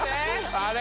あれ？